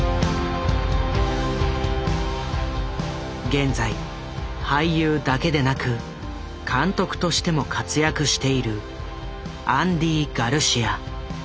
現在俳優だけでなく監督としても活躍しているアンディ・ガルシア。